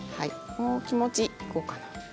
もう気持ちいこうかな。